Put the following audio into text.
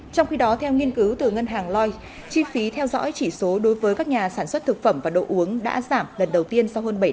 trong khi đó theo nghiên cứu từ ngân hàng lloyd chi phí theo dõi chỉ số đối với các nhà sản xuất thực phẩm và đồ uống đã giảm lần đầu tiên